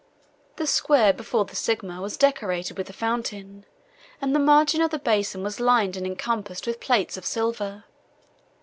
The square before the sigma was decorated with a fountain, and the margin of the basin was lined and encompassed with plates of silver.